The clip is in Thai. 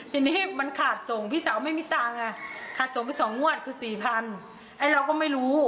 ทีนี้มันขาดส่งพี่สาวไม่มีตังค์อ่ะขาดส่งไปสองงวดคือสี่พันไอ้เราก็ไม่รู้